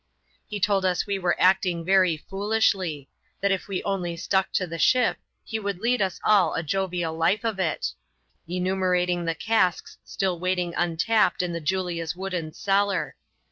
He told us we were acting very foolishly ; that if we only stuck to the ship, he would lead us all a jovial life of it ; enumerating the casks still remaining untapped in the Julia's wooden cellar.